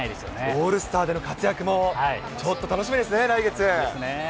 オールスターでの活躍も、ちょっと楽しみですね、来月。